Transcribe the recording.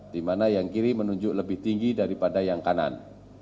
di mana yang kiri menunjuk lebih tinggi daripada yang kanan